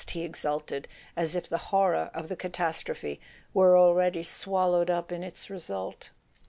" he exulted, as if the horror of the catastrophe were already swallowed up in its result.